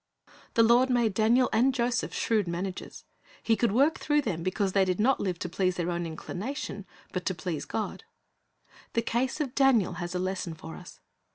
The Lord made Daniel and Joseph shrewd managers. He could work through them because they did not live to please their own inclination, but to please God. The case of Daniel has a lesson for us.